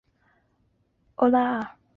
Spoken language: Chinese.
奥拉阿。